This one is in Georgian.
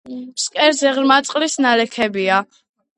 ფსკერზე ღრმა წყლის ნალექებია.